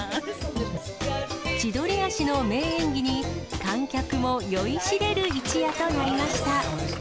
千鳥足の名演技に、観客も酔いしれる一夜となりました。